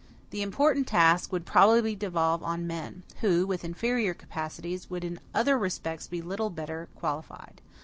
The important task would probably devolve on men, who, with inferior capacities, would in other respects be little better qualified.